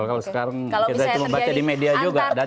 kalau sekarang kita cuma baca di media juga